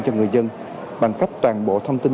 cho người dân bằng cách toàn bộ thông tin